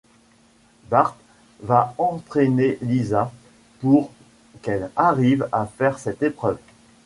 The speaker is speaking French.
Bart va entraîner Lisa pour qu'elle arrive à faire cette épreuve.